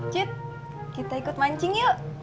cit kita ikut mancing yuk